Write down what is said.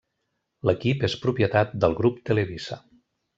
L'equip és propietat del grup Televisa.